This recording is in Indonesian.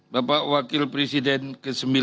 bapak wakil presiden ke sembilan